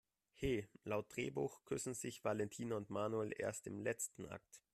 He, laut Drehbuch küssen sich Valentina und Manuel erst im letzten Akt!